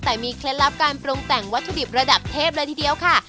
แต่มีเคล็ดลับการปรุงแต่งวัตถุดิบระดับเทพเลยทีเดียวค่ะ